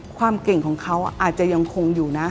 ความเก่งของเขาอาจจะยังคงอยู่นะ